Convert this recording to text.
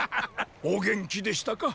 お元気でしたか？